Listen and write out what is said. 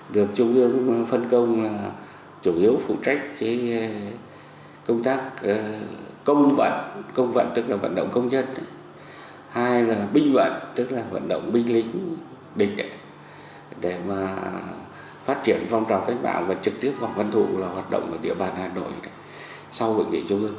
được giao những nhiệm vụ mới hết sức quan trọng